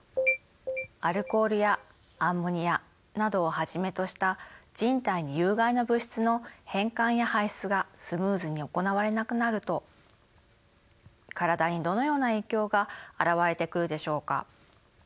アルコールやアンモニアなどをはじめとした人体に有害な物質の変換や排出がスムーズに行われなくなると体にどのような影響が表れてくるでしょうか。